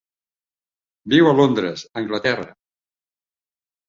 Viu a Londres, Anglaterra.